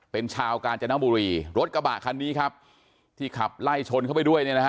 เป็นชาวกาญจนบุรีรถกระบะคันนี้ครับที่ขับไล่ชนเข้าไปด้วยเนี่ยนะฮะ